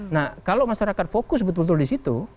nah kalau masyarakat fokus betul betul disitu